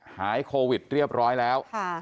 หายโควิดเรียบร้อยแล้ว